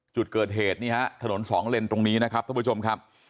จุดเกิดเหตุนี่ฮะถนนสองเลนตรงนี้นะครับท่านผู้ชมครับ